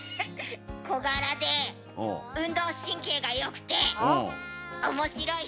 小柄で運動神経が良くて面白い人。